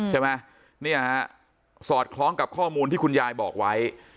ใช่ไหมเนี่ยฮะสอดคล้องกับข้อมูลที่คุณยายบอกไว้